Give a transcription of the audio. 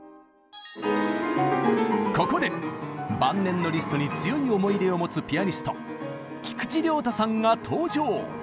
ここで晩年のリストに強い思い入れを持つピアニスト菊池亮太さんが登場！